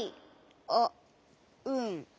あっうん。